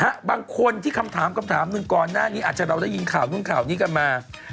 ฮะบางคนที่คำถามหนึ่งก่อนหน้านี้อาจจะได้ยินข่าวนึงข่าวนี้กันมา